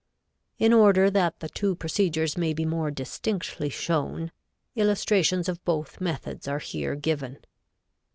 In order that the two procedures may be more distinctly shown, illustrations of both methods are here given.